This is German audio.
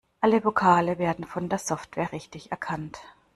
Alle Vokale werden von der Software richtig erkannt.